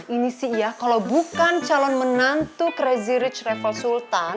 ini sih ya kalau bukan calon menantu crazy rich level sultan